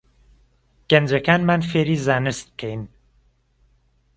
گەنجەکانمان فێری زانست بکەین